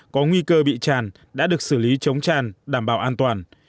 có nguy cơ bị tràn đã được xử lý chống tràn đảm bảo an toàn